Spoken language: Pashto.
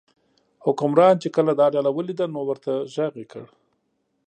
حکمران چې کله دا ډله ولیده نو ورته یې غږ وکړ.